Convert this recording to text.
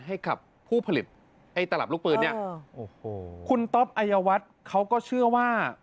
ให้กับผู้ผลิตไอ้ตลับลูก